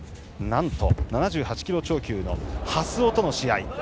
なんと、７８キロ超級の蓮尾との試合。